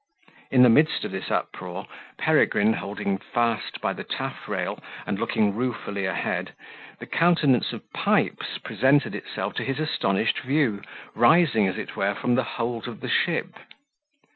In the midst of this uproar, Peregrine holding fast by the taffrail, and looking ruefully ahead, the countenance of Pipes presented itself to his astonished view, rising, as it were, from the hold of the ship.